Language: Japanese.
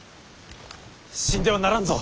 死んではならんぞ！